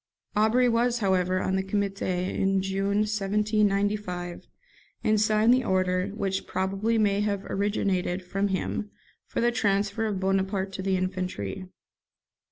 Aubry was, however, on the Comité in June 1795, and signed the order, which probably may have originated from him, for the transfer of Bonaparte to the infantry.